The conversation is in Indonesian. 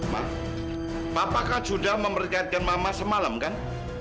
mak bapak kak judah memerhatikan mama semalam kan